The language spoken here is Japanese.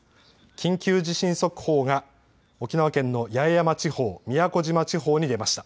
緊急地震速報が沖縄県の八重山地方、宮古島地方に出ました。